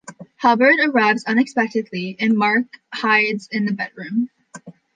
Hubbard arrives unexpectedly, and Mark hides in the bedroom.